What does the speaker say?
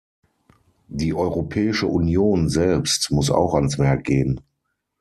Die Europäische Union selbst muss auch ans Werk gehen.